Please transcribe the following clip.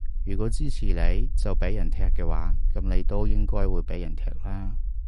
如果支持你就畀人踢嘅話，噉你都應該會畀人踢啦